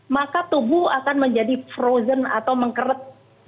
maka tubuh akan menjadi frozen atau mengkerut